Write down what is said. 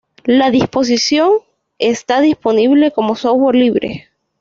La disposición está disponible como software libre.